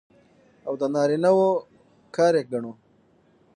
او د نارينه وو کار يې ګڼو.